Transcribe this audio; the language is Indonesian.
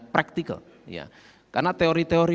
praktikal karena teori teori